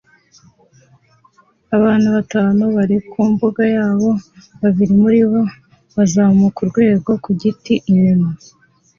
Abantu batanu bari ku mbuga yabo babiri muri bo bazamuka urwego ku giti inyuma